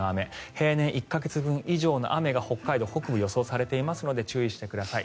平年１か月分以上の雨が北海道北部は予想されていますので注意してください。